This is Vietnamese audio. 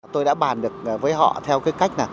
tôi đã bàn được với họ theo cách